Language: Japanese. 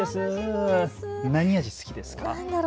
何味好きですか。